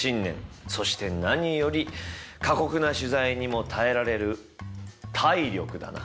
そして何より過酷な取材にも耐えられる体力だな！